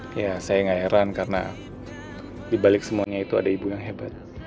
ya saya gak heran karena dibalik semuanya itu ada ibu yang hebat